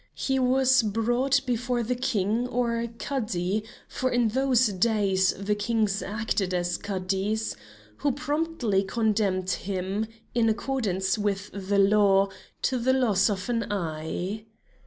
He was brought before the King or Cadi, for in those days the Kings acted as Cadis, who promptly condemned him, in accordance with the law, to the loss of an eye.